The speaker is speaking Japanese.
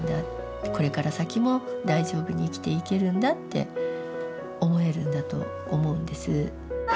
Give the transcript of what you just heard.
これから先も大丈夫に生きていけるんだ」って思えるんだと思うんです。